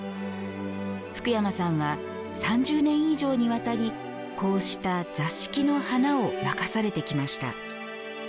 福山さんは、３０年以上にわたりこうした座敷の花を任されてきました。